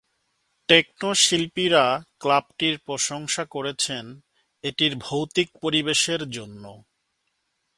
Techno শিল্পীরা ক্লাবটির প্রশংসা করেছেন এটির ভৌতিক পরিবেশের জন্য।